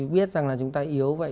biết rằng là chúng ta yếu vậy